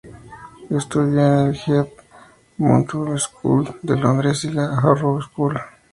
Estudió en la Heath Mount School de Londres y en la Harrow School.